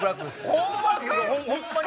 ホンマか？